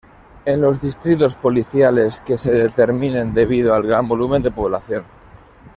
En los distritos Policiales que se determinen debido al gran volumen de población.